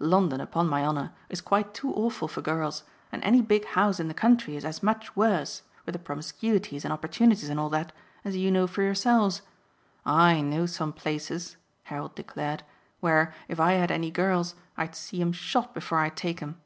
London, upon my honour, is quite too awful for girls, and any big house in the country is as much worse with the promiscuities and opportunities and all that as you know for yourselves. I know some places," Harold declared, "where, if I had any girls, I'd see 'em shot before I'd take 'em."